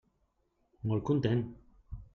Molt content.